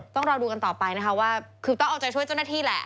ต้องรอดูกันต่อไปนะคะว่าคือต้องเอาใจช่วยเจ้าหน้าที่แหละ